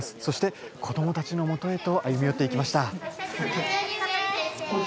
そして子どもたちのもとへと歩みよっていきました。